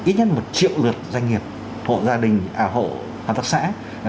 ít nhất một triệu lượt doanh nghiệp hộ gia đình hộ hợp tác xã